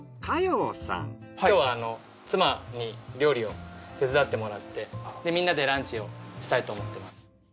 今日は妻に料理を手伝ってもらってみんなでランチをしたいと思ってます。